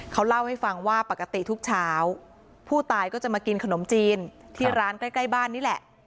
เขาเล่าให้ฟังว่าปกติทุกเช้าผู้ตายก็จะมากินขนมจีนที่ร้านใกล้บ้านนี่แหละ